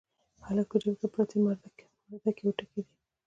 هلک په جيب کې پرتې مردکۍ وټکېدې.